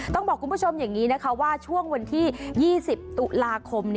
ต้องบอกคุณผู้ชมว่าช่วงวันที่๒๐ตุลาคม